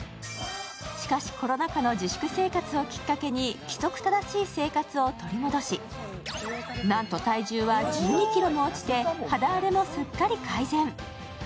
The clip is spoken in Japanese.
しかし、コロナ禍の自粛生活をきっかけに規則正しい生活を取り戻しなんと体重は１２ｋｇも落ちて肌荒れもすっかり改善。